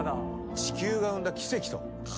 地球が生んだ奇跡と。